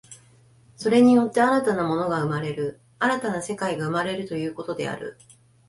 それによって新たな物が生まれる、新たな世界が生まれるということである。